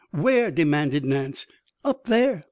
"Where?" demanded Nance. "Up there."